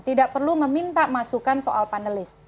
tidak perlu meminta masukan soal panelis